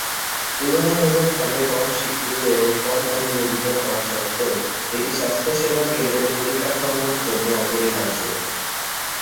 তুলনামূলকভাবে কম স্বীকৃত এবং কম অনুমোদিত হওয়া সত্ত্বেও, এটি স্বাস্থ্যসেবা কেন্দ্রের পরিকাঠামোর জন্য অপরিহার্য।